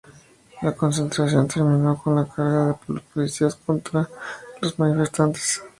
La concentración terminó con la carga de los policías contra los manifestantes.